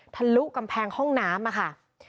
ทะลุกำแพงห้องน้ำค่ะ